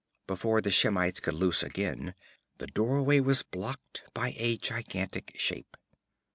Before the Shemites could loose again, the doorway was blocked by a gigantic shape.